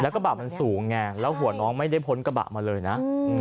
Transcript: กระบะมันสูงไงแล้วหัวน้องไม่ได้พ้นกระบะมาเลยนะ